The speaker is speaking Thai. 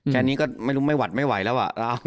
แค่นี้ก็ไม่รู้ไม่หวัดไม่ไหวแล้วอ่ะ